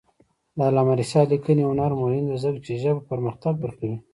د علامه رشاد لیکنی هنر مهم دی ځکه چې ژبه پرمختګ ورکوي.